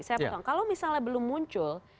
saya pegang kalau misalnya belum muncul